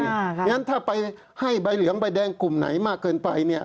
เพราะฉะนั้นถ้าไปให้ใบเหลืองใบแดงกลุ่มไหนมากเกินไปเนี่ย